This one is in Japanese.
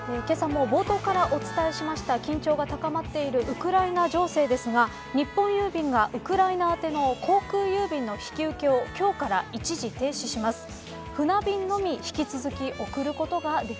けさも冒頭からお伝えしました緊張が高まっているウクライナ情勢ですが日本郵便がウクライナ宛ての航空郵便の引き受けを今日から一時停止します。